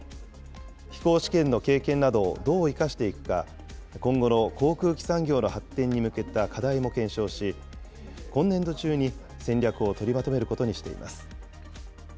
飛行試験の経験などをどう生かしていくか、今後の航空機産業の発展に向けた課題も検証し、今年度中に戦略を取りまとめることにしています。